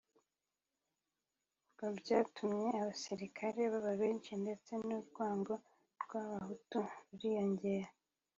ngo byatumye abasirikare baba benshi ndetse n’urwango rw’abahutu ruriyongera